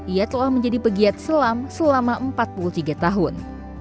ia telah menjadi pegiat selam selama empat puluh tiga tahun